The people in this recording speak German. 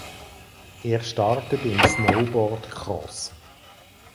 Er startet im Snowboardcross.